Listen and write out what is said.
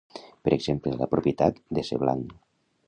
Per exemple, la propietat de ser blanc.